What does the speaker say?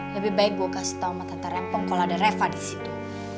lebih baik gue kasih tau mata rempong kalau ada reva di situ